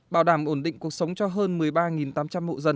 bảo đảm ổn định cuộc sống cho hơn một mươi ba tám trăm linh hộ dân